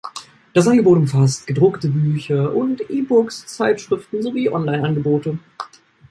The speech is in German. Das Angebot umfasst gedruckte Bücher und E-Books, Zeitschriften sowie Online-Angebote.